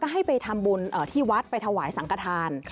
ให้ไปทำบุญที่วัดไปถวายสังกฐาน